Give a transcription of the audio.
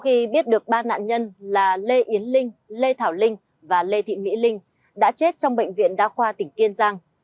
khi biết được ba nạn nhân là lê yến linh lê thảo linh và lê thị mỹ linh đã chết trong bệnh viện đa khoa tỉnh kiên giang